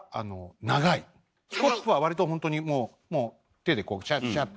スコップは割とほんとにもうもう手でこうシャッシャッ。